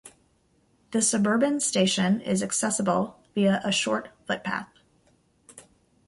The suburban station is accessible via a short footpath.